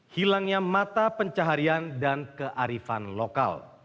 hilangnya mata pencaharian dan kearifan lokal